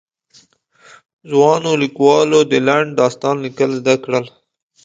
ځوانو ليکوالو د لنډ داستان ليکل زده کړل.